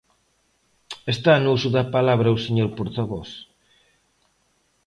Está no uso da palabra o señor portavoz.